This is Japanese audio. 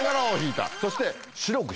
そして。